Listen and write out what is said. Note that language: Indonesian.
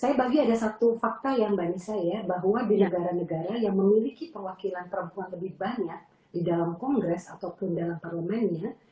saya bagi ada satu fakta yang mbak nisa ya bahwa di negara negara yang memiliki perwakilan perempuan lebih banyak di dalam kongres ataupun dalam parlemennya